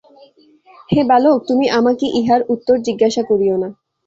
হে বালক, তুমি আমাকে ইহার উত্তর জিজ্ঞাসা করিও না।